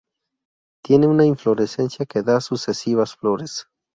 Tiene una inflorescencia que da sucesivas flores.